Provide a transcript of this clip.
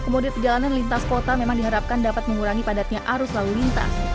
kemudian perjalanan lintas kota memang diharapkan dapat mengurangi padatnya arus lalu lintas